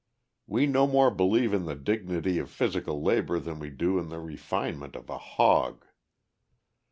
We no more believe in the dignity of physical labor than we do in the refinement of a hog.